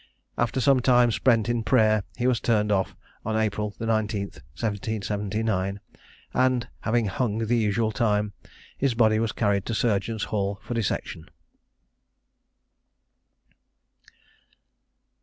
After some time spent in prayer, he was turned off, on April the 19th 1779; and having hung the usual time, his body was carried to Surgeons Hall for dissection.